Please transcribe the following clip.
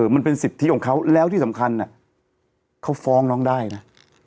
มันเป็นสิทธิของเขาแล้วที่สำคัญเขาฟ้องน้องได้นะ